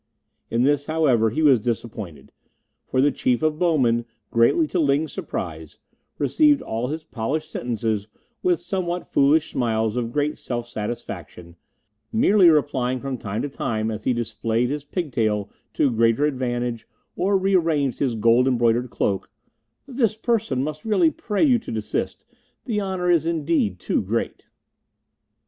In this, however, he was disappointed, for the Chief of Bowmen, greatly to Ling's surprise, received all his polished sentences with somewhat foolish smiles of great self satisfaction, merely replying from time to time as he displayed his pigtail to greater advantage or rearranged his gold embroidered cloak: "This person must really pray you to desist; the honour is indeed too great."